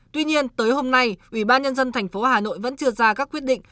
tuy nhiên tới hôm nay ubnd tp hà nội vẫn chưa ra các quyết định